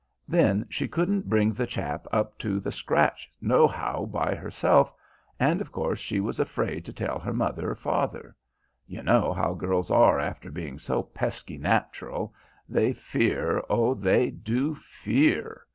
Then she couldn't bring the chap up to the scratch nohow by herself, and of course she was afraid to tell her mother or father: you know how girls are after being so pesky natural, they fear, O they do fear!